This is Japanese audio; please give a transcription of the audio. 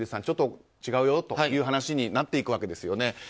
ちょっと違うよという話になっていくわけですよね。